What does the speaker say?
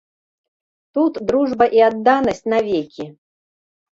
Тут дружба і адданасць навекі.